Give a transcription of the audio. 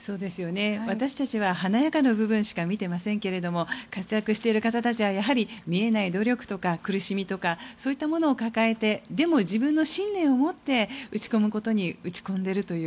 私たちは華やかな部分しか見ていませんけれど活躍している人たちはやはり見えない努力とか苦しみとかそういったものを抱えてでも自分の信念を持って打ち込むことに打ち込んでいるという。